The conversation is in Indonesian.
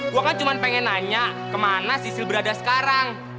gue kan cuma pengen nanya kemana sisil berada sekarang